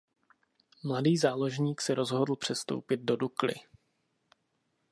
Mladý záložník se rozhodl přestoupit do Dukly.